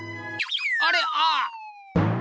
あれああ！